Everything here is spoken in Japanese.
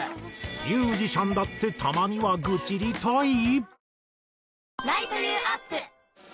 ミュージシャンだってたまには愚痴りたい？